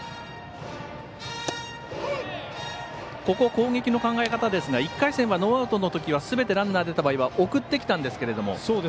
ここ攻撃の考え方ですが１回戦はノーアウトのときはすべてランナー出た場合は送ってきたんですけれども。